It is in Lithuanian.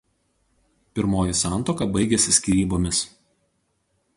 Pirmoji santuoka baigėsi skyrybomis.